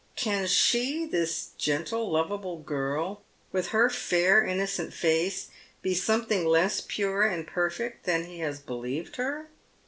Can she, this gentle, lovable girl, with her fair innocent face, be something less pure and perfect than he has believed her